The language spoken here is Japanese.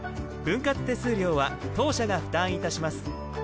分割手数料は当社が負担いたします。